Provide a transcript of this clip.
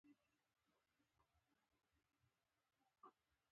ایا زه ګازي نوشابې څښلی شم؟